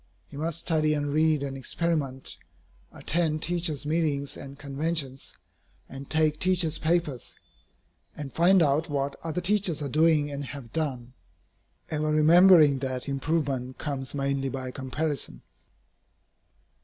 He must study and read and experiment, attend teachers' meetings and conventions, and take teachers' papers, and find out what other teachers are doing and have done, ever remembering that improvement comes mainly by comparison.